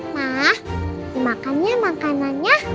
ma dimakannya makanannya